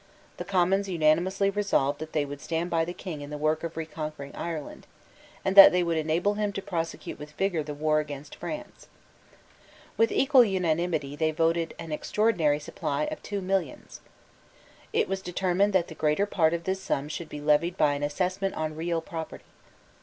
The Commons unanimously resolved that they would stand by the King in the work of reconquering Ireland, and that they would enable him to prosecute with vigour the war against France, With equal unanimity they voted an extraordinary supply of two millions, It was determined that the greater part of this sum should be levied by an assessment on real property.